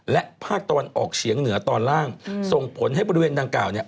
และภาคตะวันออกเฉียงเหนือตอนล่างส่งผลให้บริเวณดังกล่าวเนี่ย